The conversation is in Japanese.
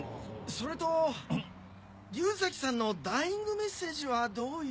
それと竜崎さんのダイイングメッセージはどういう。